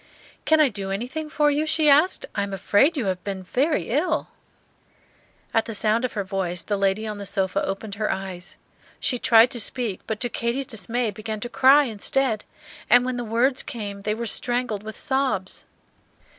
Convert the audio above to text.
"Can I do anything for you?" she asked. "I am afraid you have been very ill." At the sound of her voice the lady on the sofa opened her eyes. She tried to speak, but to Katy's dismay began to cry instead; and when the words came they were strangled with sobs.